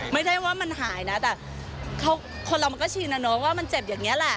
ไม่ได้ว่ามันหายนะแต่คนเรามันก็ชินนะเนอะว่ามันเจ็บอย่างนี้แหละ